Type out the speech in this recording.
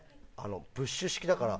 プッシュ式だから。